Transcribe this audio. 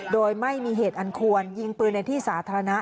โดยไม่มีเหตุอันควรยิงปืนในที่สาธารณะ